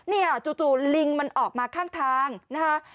จู่ลิงมันออกมาข้างทางนะคะ